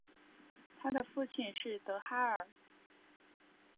她的父亲是德哈尔。